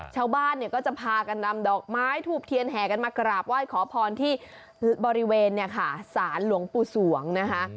ชาวบ้านก็จะพากันนำดอกไม้ถูกเทียนแห่กันมากราบไหว้ขอพรที่บริเวณศาลหลวงปุศวงนะฮะ